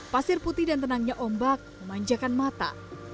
pasir putih dan tenangnya ombak memanjakan mata